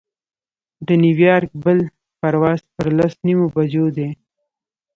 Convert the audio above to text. د نیویارک بل پرواز پر لس نیمو بجو دی.